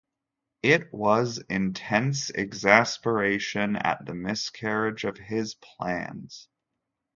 It was intense exasperation at the miscarriage of his plans.